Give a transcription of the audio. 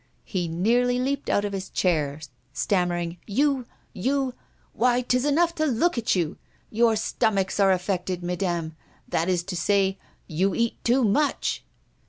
He nearly leaped out of his chair, stammering: "You you! Why, 'tis enough to look at you. Your stomachs are affected, Mesdames. That is to say, you eat too much."